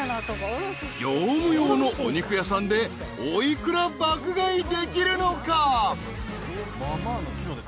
［業務用のお肉屋さんでお幾ら爆買いできるのか？］